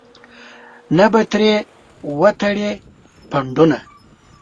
نه به ترې وتړې پنډونه.